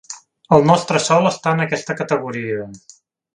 El nostre Sol està en aquesta categoria.